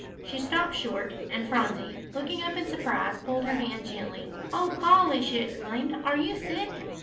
She stopped short, and Phronsie, looking up in surprise, pulled her hand gently. "Oh, Polly," she exclaimed, "are you sick?"